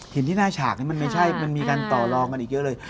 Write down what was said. เห็นที่หน้าฉากนี้มันไม่ใช่มันมีการต่อลองกันอีกเยอะเลย